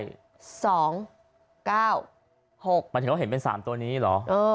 บางทีเค้าเห็นเป็น๓ตัวนี้หรออ๋อ